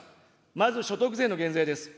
まず所得税の減税です。